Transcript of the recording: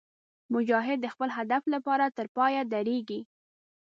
مجاهد د خپل هدف لپاره تر پایه درېږي.